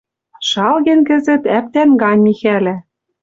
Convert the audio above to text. Шалген кӹзӹт, ӓптӓн гань, Михӓлӓ